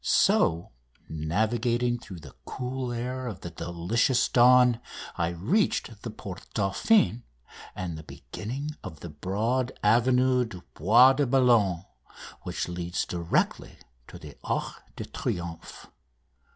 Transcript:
So, navigating through the cool air of the delicious dawn, I reached the Porte Dauphine and the beginning of the broad Avenue du Bois de Boulogne, which leads directly to the Arc de Triomphe.